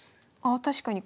あ確かに。